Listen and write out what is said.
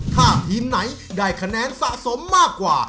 ถ้าทีมไหนได้คะแนนสะสมมากกว่า